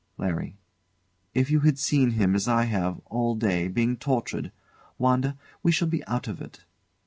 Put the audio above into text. LARRY. If you had seen him, as I have, all day, being tortured. Wanda, we shall be out of it.